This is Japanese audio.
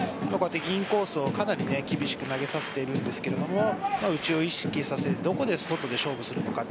インコースをかなり厳しく投げさせているんですが内を意識させてどこで外で勝負させるのか。